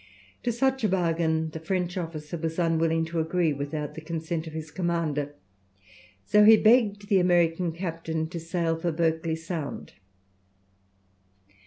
To such a bargain the French officer was unwilling to agree without the consent of his commander; so he begged the American captain to sail for Berkeley Sound.